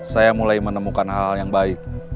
saya mulai menemukan hal hal yang baik